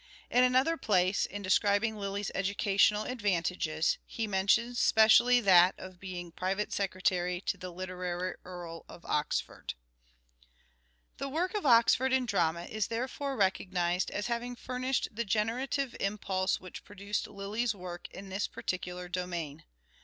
In another place, in describing Lyly's educational advantages, he mentions specially that of being " private secretary to the literaiy Earl of Oxford." The work of Oxford in drama is therefore recognized as having furnished the generative impulse which produced Lyly's work in tnis particular domain.